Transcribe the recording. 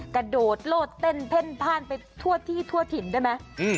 กระโดดโลดเต้นเพ่นพ่านไปทั่วที่ทั่วถิ่นได้ไหม